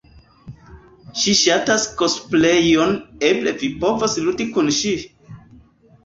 Ŝi ŝatas kosplejon, eble vi povos ludi kun ŝi?